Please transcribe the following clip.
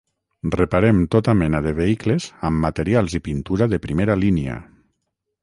Reparem tota mena de vehicles amb materials i pintura de primera línia